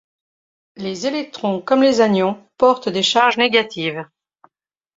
Les électrons, comme les anions, portent des charges négatives.